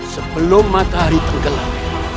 sebelum matahari tenggelam